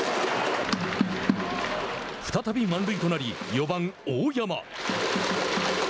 再び満塁となり、４番大山。